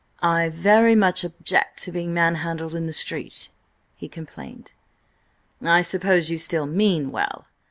"I very much object to being man handled in the street," he complained. "I suppose you still mean well.